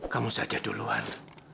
kamu saja duluan